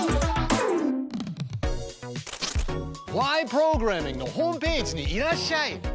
プログラミング」のホームページにいらっしゃい。